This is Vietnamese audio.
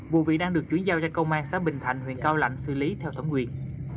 vụ việc đang được chuyển giao cho công an xã bình thạnh huyện cao lạnh xử lý theo thẩm quyền